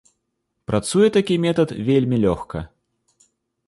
Працуе такі метад вельмі лёгка.